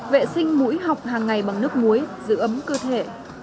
vệ sinh mũi học hàng ngày bằng nước muối giữ ấm cơ thể